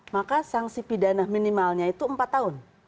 maka sanksi pidana minimalnya itu empat tahun